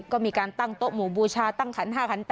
ก็มีการตั้งโต๊ะหมู่บูชาตั้งขัน๕ขัน๘